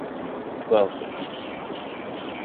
twelve de Pigue Street